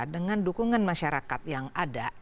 dengan dukungan masyarakat yang ada